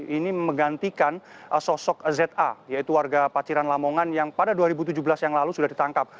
ini menggantikan sosok za yaitu warga paciran lamongan yang pada dua ribu tujuh belas yang lalu sudah ditangkap